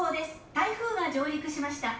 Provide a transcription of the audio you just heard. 台風が上陸しました。